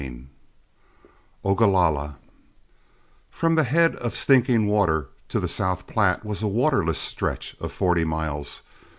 CHAPTER XVII OGALALLA From the head of Stinking Water to the South Platte was a waterless stretch of forty miles.